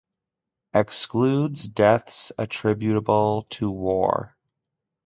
Excludes deaths attributable to war.